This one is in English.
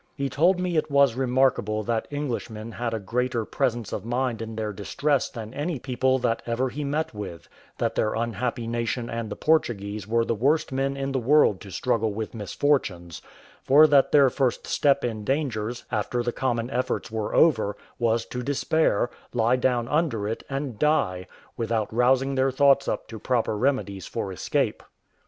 He told me it was remarkable that Englishmen had a greater presence of mind in their distress than any people that ever he met with; that their unhappy nation and the Portuguese were the worst men in the world to struggle with misfortunes; for that their first step in dangers, after the common efforts were over, was to despair, lie down under it, and die, without rousing their thoughts up to proper remedies for escape.